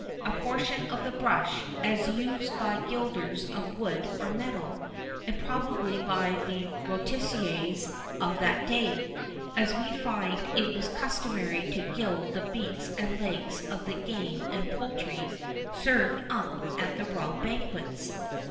A portion of the brush, as used by gilders of wood or metal, and probably by the rôtisseurs of that day, as we find it was customary to gild the beaks and legs of the game and poultry served up at the royal banquets.